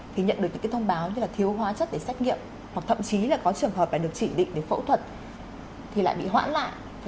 thì nhận được những cái thông báo như là thiếu hóa chất để xét nghiệm hoặc thậm chí là có trường hợp là được chỉ định để phẫu thuật thì lại bị hoãn lại